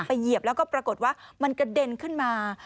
เหยียบแล้วก็ปรากฏว่ามันกระเด็นขึ้นมา